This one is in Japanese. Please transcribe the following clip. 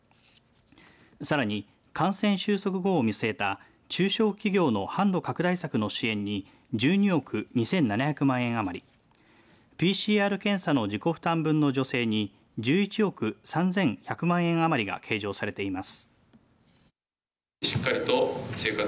さらに感染収束後を見据えた中小企業の販路拡大策の支援に１２億２７００万円余りＰＣＲ検査の自己負担分の女性に１１億３１００万円あまりが計上されています。